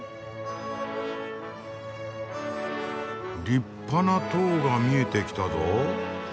立派な塔が見えてきたぞ。